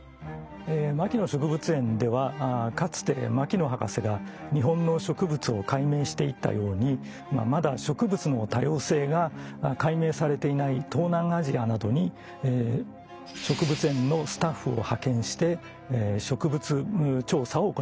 牧野植物園ではかつて牧野博士が日本の植物を解明していったようにまだ植物の多様性が解明されていない東南アジアなどに植物園のスタッフを派遣して植物調査を行っております。